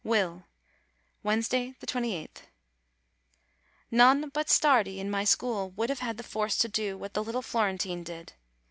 WILL Wednesday, 28th. None but Stardi in my school would have had the force to do what the little Florentine did.